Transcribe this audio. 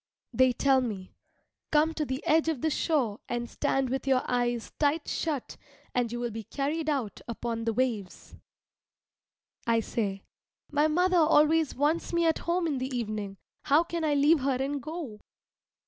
They tell me, "Come to the edge of the shore and stand with your eyes tight shut, and you will be carried out upon the waves." I say, "My mother always wants me at home in the evening how can I leave her and go?"